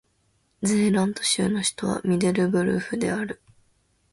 ゼーラント州の州都はミデルブルフである